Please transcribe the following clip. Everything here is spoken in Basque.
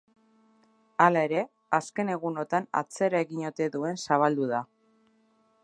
Hala ere, azken egunotan atzera egin ote duen zabaldu da.